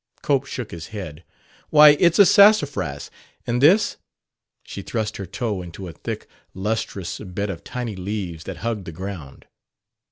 Cope shook his head. "Why, it's a sassafras. And this?" she thrust her toe into a thick, lustrous bed of tiny leaves that hugged the ground.